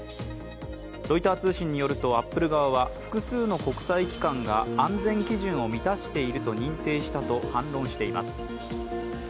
ロイター通信によるとアップル側は複数の国際機関が安全基準を満たしていると認定したと反論しています。